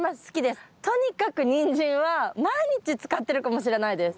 とにかくニンジンは毎日使ってるかもしれないです。